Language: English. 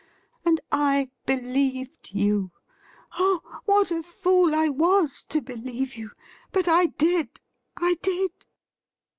And I believed you ! Oh, what a fool I was to believe you ! But I did— I did